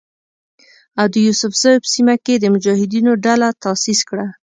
او د یوسفزیو په سیمه کې یې د مجاهدینو ډله تاسیس کړه.